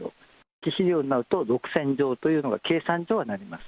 致死量になると６０００錠というのが計算上はなります。